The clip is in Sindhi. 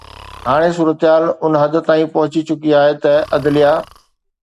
هاڻي صورتحال ان حد تائين پهچي چڪي آهي ته عدليه